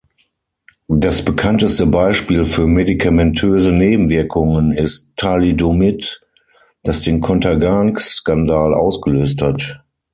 Das bekannteste Beispiel für medikamentöse Nebenwirkungen ist Thalidomid, das den Contergan-Skandal ausgelöst hat.